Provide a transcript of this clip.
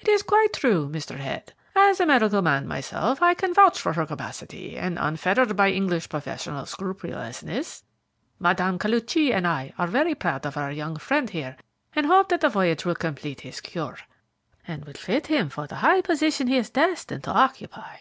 "It is quite true, Mr. Head. As a medical man myself, I can vouch for her capacity, and, unfettered by English professional scrupulousness, I appreciate it. Mme. Koluchy and I are proud of our young friend here, and hope that the voyage will complete his cure, and fit him for the high position he is destined to occupy."